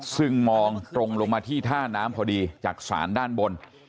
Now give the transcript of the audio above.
ซึ่งมองตรงลงมาที่ท่าน้ำพอดีจากศาลด้านบน